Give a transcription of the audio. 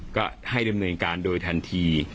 ก็ให้ดำเนินการโดยทันที